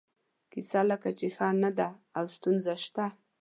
کیسه لکه چې ښه نه ده او ستونزه شته.